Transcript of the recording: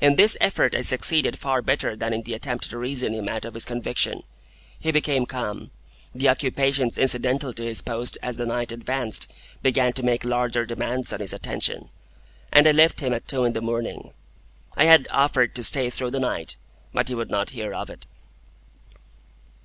In this effort I succeeded far better than in the attempt to reason him out of his conviction. He became calm; the occupations incidental to his post as the night advanced began to make larger demands on his attention: and I left him at two in the morning. I had offered to stay through the night, but he would not hear of it.